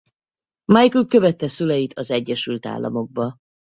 Michael követte szüleit az Egyesült Államokba.